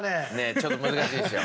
ちょっと難しいでしょ。